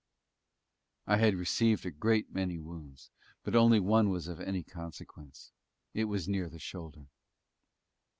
I had received a great many wounds, but only one was of any consequence; it was near the shoulder.